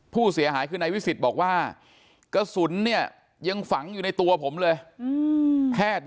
ผู้เสียหายคือนายวิสิทธิ์บอกว่ากระสุนเนี่ยยังฝังอยู่ในตัวผมเลย